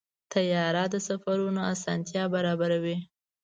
طیاره د سفرونو اسانتیا برابروي.